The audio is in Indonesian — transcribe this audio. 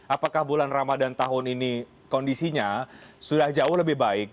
apakah bulan ramadhan tahun ini kondisinya sudah jauh lebih baik